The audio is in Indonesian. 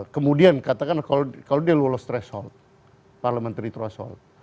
kemudian katakan kalau dia lolos threshold parliamentary threshold